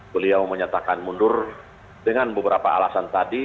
beliau menyatakan mundur dengan beberapa alasan tadi